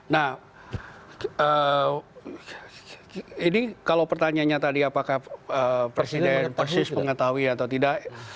nah ini kalau pertanyaannya tadi apakah presiden persis mengetahui atau tidak